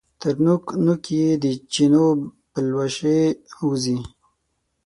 تر نوک، نوک یې د چینو پلوشې وځي